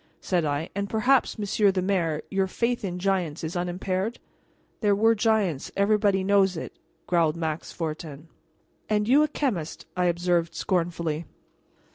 said I; "and perhaps, Monsieur the mayor, your faith in giants is unimpaired?" "There were giants everybody knows it," growled Max Fortin. "And you a chemist!" I observed scornfully.